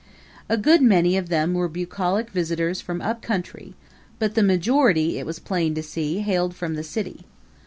A good many of them were bucolic visitors from up country, but the majority, it was plain to see, hailed from the city.